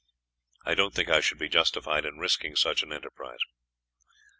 I don't think I should be justified in risking such an enterprise."